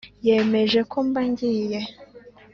Yemeje ko mba ngiye